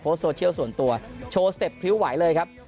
โซเชียลส่วนตัวโชว์สเต็ปพริ้วไหวเลยครับ